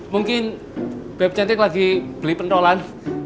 mungkin bep cantik lagi beli pentolan